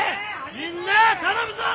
みんなあ頼むぞ！